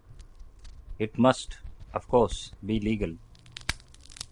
It must, of course, be legal.